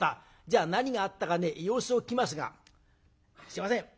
じゃ何があったかね様子を聞きますがすいません